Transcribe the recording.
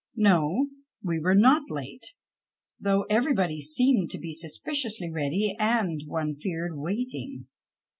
No, we were not late — though everybody seemed to be suspiciously ready and, one feared, waiting.